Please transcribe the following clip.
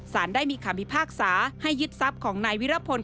สารได้มีคำพิพากษาให้ยึดทรัพย์ของนายวิรพล